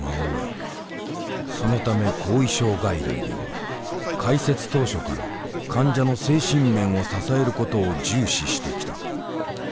そのため後遺症外来では開設当初から患者の精神面を支えることを重視してきた。